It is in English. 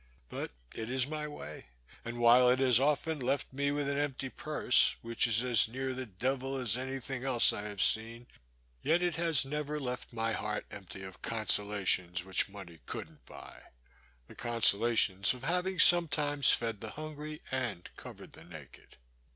But it is my way; and while it has often left me with an empty purse, which is as near the devil as any thing else I have seen, yet it has never left my heart empty of consolations which money couldn't buy, the consolations of having sometimes fed the hungry and covered the naked.